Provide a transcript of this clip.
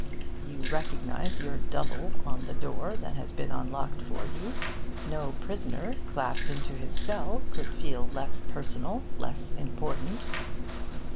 You recognise your double on the door that has been unlocked for you. No prisoner, clapped into his cell, could feel less personal, less important.